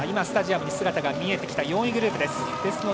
スタジアムに姿が見えてきた４位グループです。